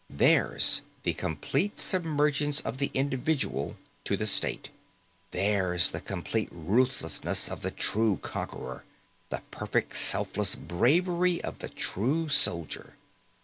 Theirs the complete submergence of the individual to the state, theirs the complete ruthlessness of the true conqueror, the perfect selfless bravery of the true soldier.